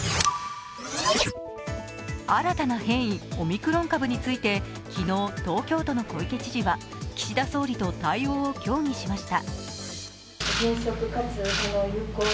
新たな変異、オミクロン株について昨日、東京都の小池知事は岸田総理と対応を協議しました。